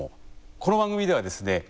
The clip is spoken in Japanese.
この番組ではですね